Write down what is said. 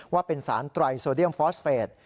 ว่าเป็นสารไตรโซเดียมฟอสเฟส